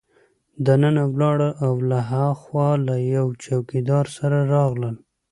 دننه ولاړل او له هاخوا له یوه چوکیدار سره راغلل.